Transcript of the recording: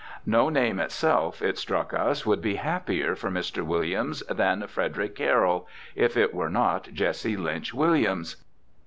No name itself, it struck us, would be happier for Mr. Williams than Frederic Carroll if it were not Jesse Lynch Williams.